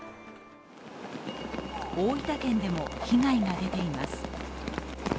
大分県でも被害が出ています。